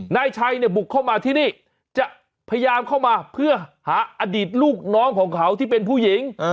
นายชัยเนี่ยบุกเข้ามาที่นี่จะพยายามเข้ามาเพื่อหาอดีตลูกน้องของเขาที่เป็นผู้หญิง